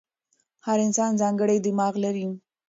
هر انسان ځانګړی دماغ لري.